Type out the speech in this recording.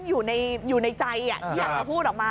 อยู่ในใจที่อยากจะพูดออกมา